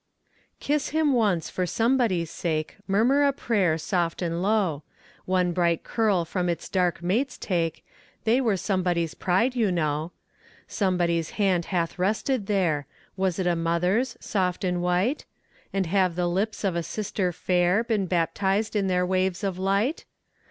Kiss him once for somebody's sake Murmur a prayer soft and low; One bright curl from its dark mates take, They were somebody's pride, you know: Somebody's hand hath rested there Was it a mother's, soft and white? And have the lips of a sister fair Been baptized in their waves of light?